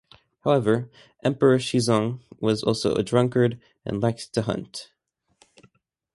However, Emperor Shizong was also a drunkard and liked to hunt.